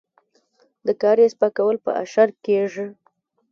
د کاریز پاکول په اشر کیږي.